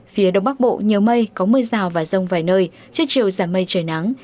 phía đông bắc bộ nhiều mây có mưa rào và rông vài nơi trước chiều giảm mây trời nắng